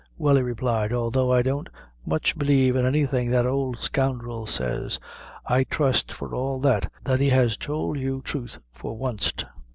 "Well," he replied, "although I don't much believe in anything that ould scoundrel says; I trust, for all that, that he has tould you truth for wanst."